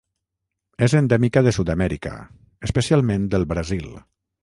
És endèmica de Sud-amèrica, especialment del Brasil.